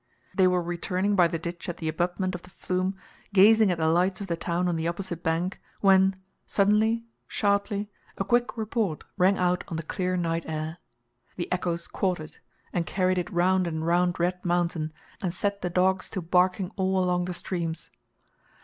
They were returning by the ditch at the abutment of the flume, gazing at the lights of the town on the opposite bank, when, suddenly, sharply, a quick report rang out on the clear night air. The echoes caught it, and carried it round and round Red Mountain, and set the dogs to barking all along the streams.